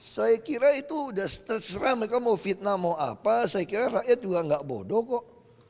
saya kira itu sudah terserah mereka mau fitnah mau apa saya kira rakyat juga nggak bodoh kok